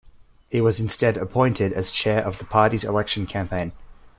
He was instead appointed as chair of the party's election campaign.